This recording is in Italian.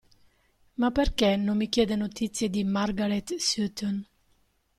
Ma perché non mi chiede notizie di Margaret Sutton?